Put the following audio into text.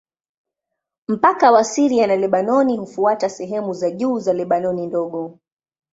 Mpaka wa Syria na Lebanoni hufuata sehemu za juu za Lebanoni Ndogo.